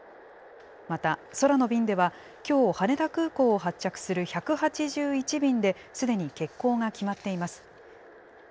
また、空の便では、きょう、羽田空港を発着する１８１便ですでに欠航が決まっています。